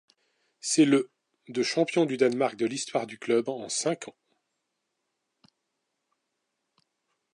C'est le de champion du Danemark de l'histoire du club en cinq ans.